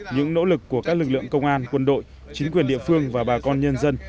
những nỗ lực của các lực lượng công an quân đội chính quyền địa phương và bà con nhân dân